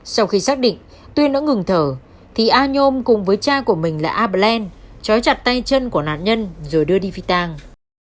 sau khi xác định tuyển đã ngừng thở thì anom cùng với cha của mình là aplen chói chặt tay chân của nạn nhân rồi đưa đi phi tàng